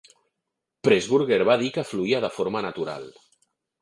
Pressburger va dir que fluïa de forma natural.